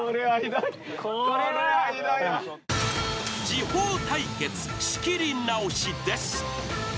［次鋒対決仕切り直しです］